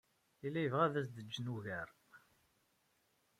Yella yebɣa ad as-d-jjen ugar.